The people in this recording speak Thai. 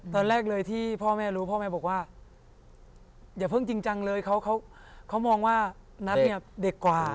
ตอนแรกเลยที่พ่อแม่รู้พ่อแม่บอกว่าอย่าเพิ่งจริงจังเลยเขามองว่านัทเนี่ยเด็กกว่า